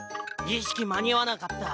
ぎしきまにあわなかった。